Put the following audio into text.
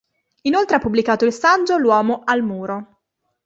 Inoltre ha pubblicato il saggio "L'uomo al muro.